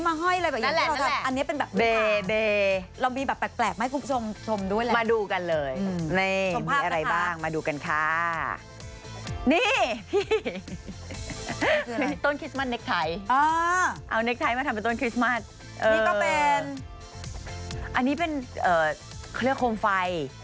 อันนี้เป็นเขาเรียกว่าโคมไฟ